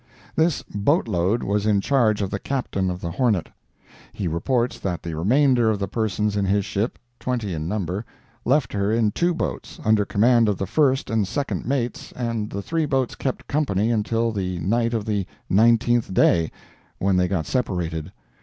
This boat load was in charge of the Captain of the Hornet. He reports that the remainder of the persons in his ship (twenty in number) left her in two boats, under command of the first and second mates and the three boats kept company until the night of the nineteenth day, when they got separated.